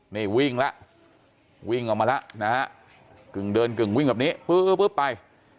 นี่วิ่งแล้ววิ่งออกมาแล้วนะฮะกึ่งเดินกึ่งวิ่งแบบนี้ปึ๊บไป